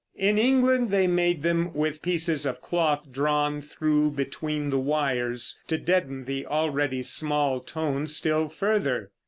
In England they made them with pieces of cloth drawn through between the wires, to deaden the already small tone still further.